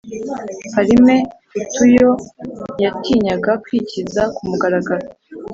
parime hutuyo ntiyatinyaga kwikiza ku mugaragaro